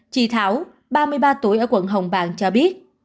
chị thảo ba mươi ba tuổi ở quận hồng bàng cho biết